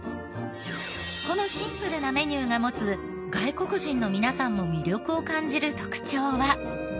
このシンプルなメニューが持つ外国人の皆さんも魅力を感じる特徴は。